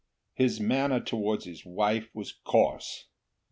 His manner towards his wife was coarse.